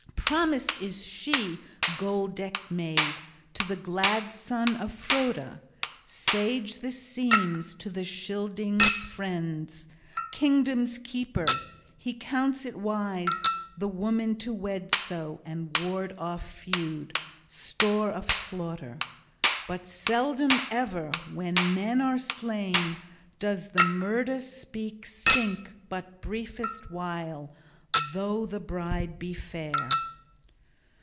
Promised is she, gold decked maid, to the glad son of Froda. Sage this seems to the Scylding's friend, kingdom's keeper: he counts it wise the woman to wed so and ward off feud, store of slaughter. But seldom ever when men are slain, does the murder spear sink but briefest while, though the bride be fair!